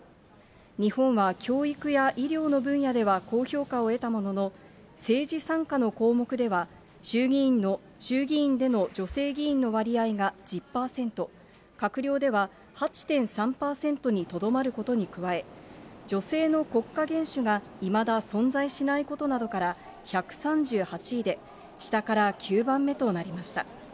日本は教育や医療の分野では高評価を得たものの、政治参加の項目では、衆議院での女性議員の割合が１０％、閣僚では８．３％にとどまることに加え、女性の国家元首がいまだ存在しないことなどから、１３８位で、下から９番目となりました。